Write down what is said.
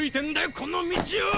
この道をォ！